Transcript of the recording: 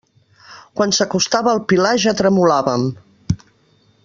Quan s'acostava el Pilar ja tremolàvem.